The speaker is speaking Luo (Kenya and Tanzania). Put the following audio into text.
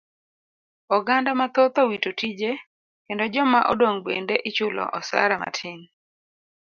Oganda mathoth owito tije kendo joma odong' bende ichulo osara matin.